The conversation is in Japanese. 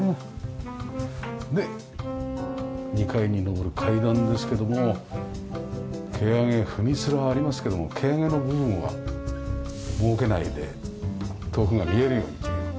で２階に上る階段ですけども蹴上げ踏み面はありますけども蹴上げの部分は設けないで遠くが見えるようにという。